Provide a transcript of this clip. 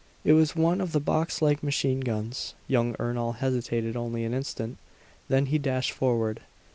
It was one of the boxlike machine guns. Young Ernol hesitated only an instant. Then he dashed forward.